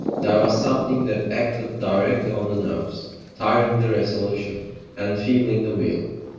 There was something that acted directly on the nerves, tiring the resolution, enfeebling the will.